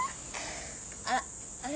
あらあれ？